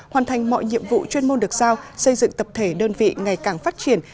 hoàn thành mọi nhiệm vụ chuyên môn được giao xây dựng tập thể đơn vị ngày càng phát triển